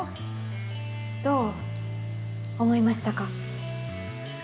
どう思いましたか？